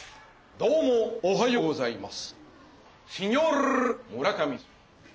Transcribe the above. どうもおはようございます。